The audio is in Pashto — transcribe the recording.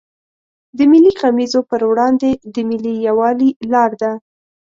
د ملي غمیزو پر وړاندې د ملي یوالي لار ده.